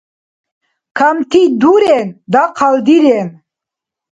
Камти дурен, дахъал дирен.